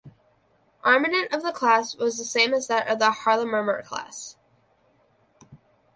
Armament of the class was the same as that of the "Haarlemmermeer" class.